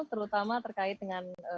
terutama terkait dengan